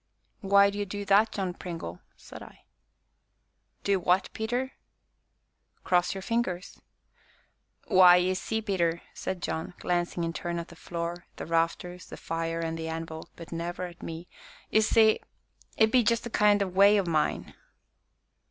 "Why do you do that, John Pringle?" said I. "Do what, Peter?" "Cross your fingers." "Why, ye see, Peter," said John, glancing in turn at the floor, the rafters, the fire, and the anvil, but never at me, "ye see, it be just a kind o' way o' mine."